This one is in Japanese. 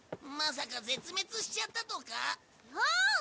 まさか絶滅しちゃったとか？